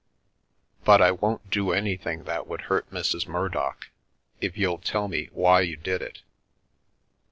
But I won't do anything that would hurt Mrs. Mur dock, if you'll tell me why you did it."